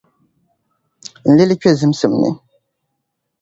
n lili kpe zibisim ni.